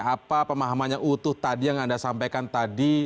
apa pemahamannya utuh tadi yang anda sampaikan tadi